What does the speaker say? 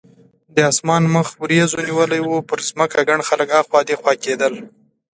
د اسمان مخ وریځو نیولی و، پر ځمکه ګڼ خلک اخوا دیخوا کېدل.